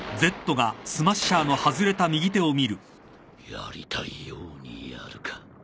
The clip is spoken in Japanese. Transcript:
やりたいようにやるか。